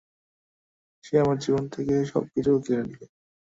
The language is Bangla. সে আমার জীবন থেকে থেকে সবকিছু কেড়ে নিল।